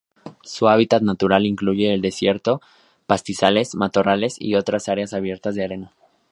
Su hábitat natural incluye el desierto, pastizales, matorrales, y otras áreas abiertas de arena.